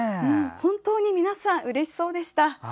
本当に皆さんうれしそうでした。